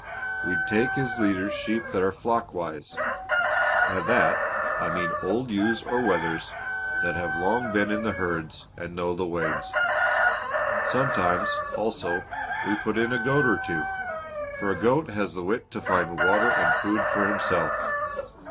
We take as leaders sheep that are 'flock wise' by that I mean old ewes or wethers that have long been in the herds and know the ways. Sometimes, also, we put in a goat or two, for a goat has the wit to find water and food for himself.